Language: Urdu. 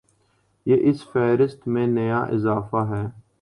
یہ اس فہرست میں نیا اضافہ ہے۔